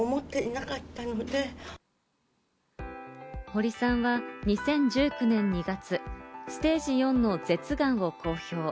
堀さんは２０１９年２月、ステージ４の舌がんを公表。